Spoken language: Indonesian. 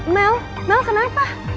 mel mel kenapa